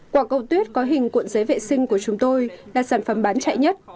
quả cầu tuyết có hình cuộn giấy vệ sinh của chúng tôi là sản phẩm bán chạy nhất